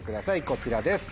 こちらです。